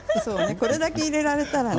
これだけ入れられたら。